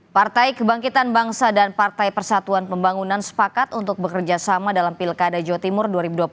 partai kebangkitan bangsa dan partai persatuan pembangunan sepakat untuk bekerjasama dalam pilkada jawa timur dua ribu dua puluh